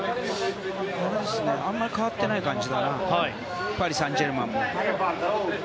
あんまり代わってない感じだなパリ・サンジェルマンも。